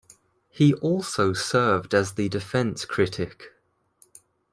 He also served as the defence critic.